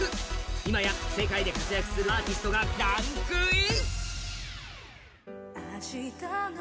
今や世界で活躍するアーティストがランクイン。